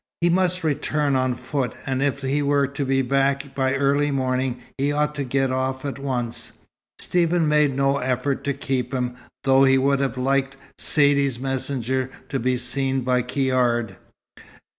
He must return on foot, and if he were to be back by early morning, he ought to get off at once. Stephen made no effort to keep him, though he would have liked Saidee's messenger to be seen by Caird.